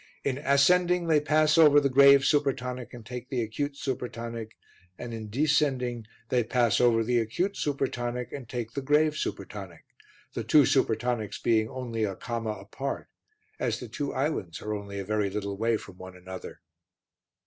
In ascending they pass over the grave supertonic and take the acute supertonic, and in descending they pass over the acute supertonic and take the grave supertonic; the two supertonics being only a comma apart, as the two islands are only a very little way from one another.